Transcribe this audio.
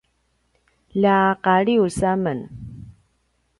lja Qalius a men